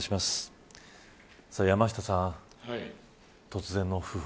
山下さん、突然の訃報